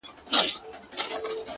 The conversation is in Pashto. • ویل یې زندګي خو بس په هجر تمامېږي ,